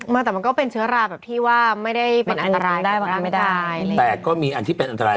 มาแต่มันก็เป็นเชื้อราแบบที่ว่าไม่ได้เป็นอันตราย